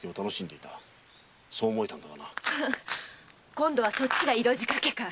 今度はそっちが色じかけかい？